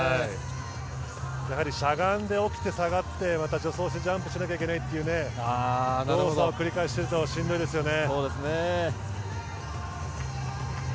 やはりしゃがんで起きて下がってまた助走してジャンプしなきゃいけないという動作を繰り返しているとしんどいですよね。